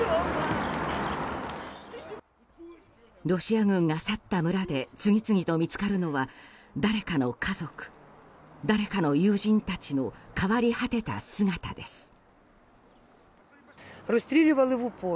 ロシア軍が去った村で次々と見つかるのは誰かの家族、誰かの友人たちの変わり果てた姿です。